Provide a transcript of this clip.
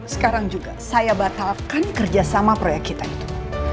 sekarang juga saya batalkan kerjasama proyek kita itu